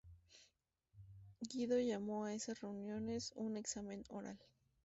Guido llamó a esas reuniones un "examen oral".